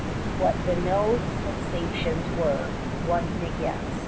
What Vignau's sensations were, one may guess.